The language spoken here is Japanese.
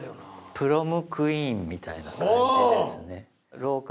プロムクイーンみたいな感じですね。